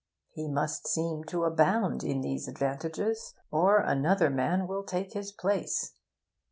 He must seem to abound in these advantages, or another man will take his place.